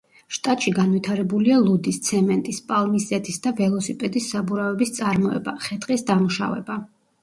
შტატში განვითარებულია ლუდის, ცემენტის, პალმის ზეთის და ველოსიპედის საბურავების წარმოება, ხე-ტყის დამუშავება.